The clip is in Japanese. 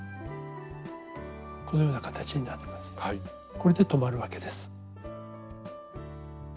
これで留まるわけです。